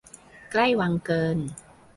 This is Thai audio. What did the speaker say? ใกล้วังเกิน